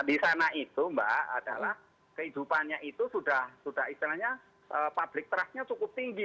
di sana itu mbak adalah kehidupannya itu sudah istilahnya public trustnya cukup tinggi